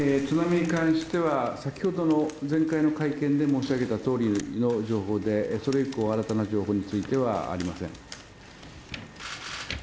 津波に関しては、先ほどの、前回の会見で申し上げた通りの情報でそれ以降新たな情報についてはありません。